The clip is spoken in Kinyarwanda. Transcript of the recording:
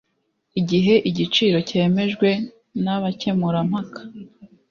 igihe igiciro cyemejwe n abakemurampaka